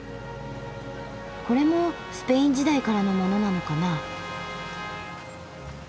これもスペイン時代からのものなのかな。